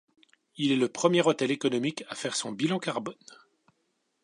Il est le premier hôtel économique à faire son bilan carbone.